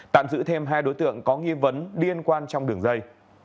tạm giữ thêm hai đối tượng có nghi vấn liên quan trong đường dây